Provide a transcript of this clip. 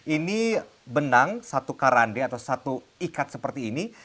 ini benang satu karande atau satu ikat seperti ini